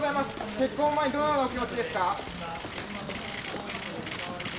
結婚を前に、どのようなお気持ちですか。